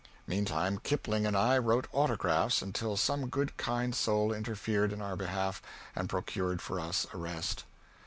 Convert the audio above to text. Meantime, Kipling and I wrote autographs until some good kind soul interfered in our behalf and procured for us a rest.